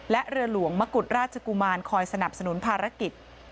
และเรือหลวงมะกุฎราชกุมารคอยสนับสนุนภารกิจ